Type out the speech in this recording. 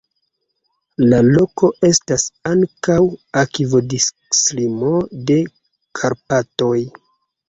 La loko estas ankaŭ akvodislimo de Karpatoj.